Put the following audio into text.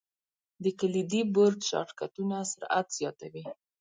د کلیدي بورډ شارټ کټونه سرعت زیاتوي.